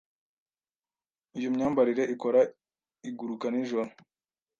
Iyo myambarire ikora iguruka-nijoro.